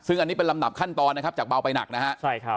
ซึ่งอันนี้เป็นลำดับขั้นตอนนะครับจากเบาไปหนักนะฮะ